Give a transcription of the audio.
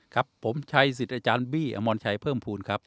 ครับผมชัยสิทธิ์อาจารย์บี้อมรชัยเพิ่มภูมิครับ